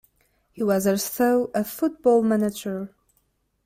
He was also a football manager.